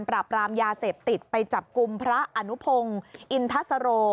รามยาเสพติดไปจับกลุ่มพระอนุพงศ์อินทสโร